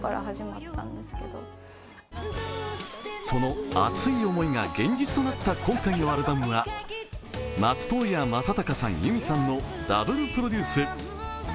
その熱い思いが現実となった今回のアルバムは松任谷正隆さん、由実さんのダブルプロデュース。